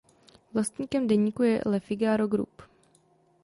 Vlastníkem deníku je Le Figaro Group.